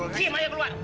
cium ayo keluar